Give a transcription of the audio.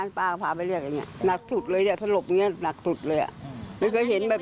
ทำไมเขาหนักตีครับ๑๖๑